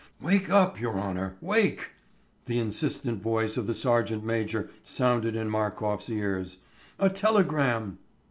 '" "Wake up, your honour, wake!" The insistent voice of the sergeant major sounded in Markof's ears. "A telegram!..."